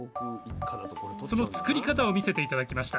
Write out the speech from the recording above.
その作り方を見せて頂きました。